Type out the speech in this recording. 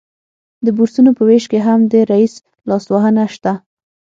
د بورسونو په ویش کې هم د رییس لاسوهنه شته